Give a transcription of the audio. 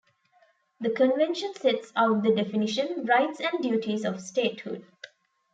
The convention sets out the definition, rights and duties of statehood.